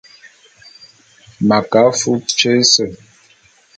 M'a ke afub tyé ése.